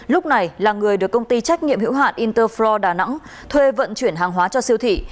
lúc này là người được công ty trách nhiệm hữu hạn interflo đà nẵng thuê vận chuyển hàng hóa cho siêu thị